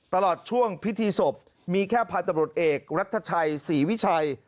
ตลอดช่วงพิธีศพมีแค่พันธบรวจเอกรัฐชัยศรีวิชัย